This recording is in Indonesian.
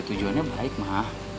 tujuannya baik mah